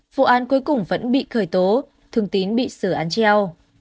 vụ án cuối cùng vẫn bị khởi tố thường tín bị xử án treo